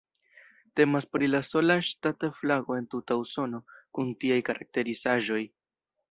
Temas pri la sola ŝtata flago en tuta Usono kun tiaj karakterizaĵoj.